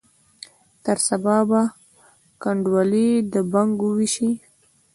تر سبا به کنډولي د بنګو ویشي